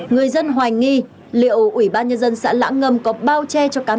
người dân hoài nghi liệu ủy ban nhân dân sẽ lãng phí bán trái thẩm quyền này